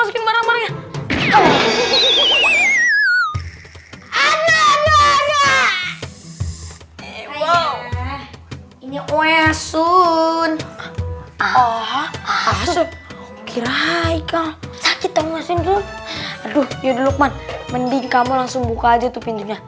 kira kira kita ngasih dulu aduh yukman mending kamu langsung buka aja tuh pindah